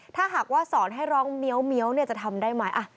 ถ้าหากว่าสอนให้ร้องเมียวจะทำได้ไหม